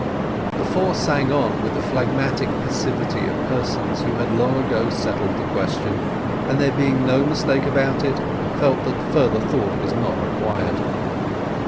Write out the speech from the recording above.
The four sang on with the phlegmatic passivity of persons who had long ago settled the question, and there being no mistake about it, felt that further thought was not required.